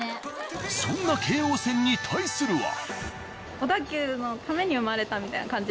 そんな京王線に対するは。